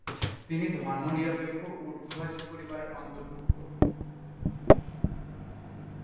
তিনি ধর্মনিরপেক্ষ উর্দুভাষী পরিবারের অন্তর্ভুক্ত।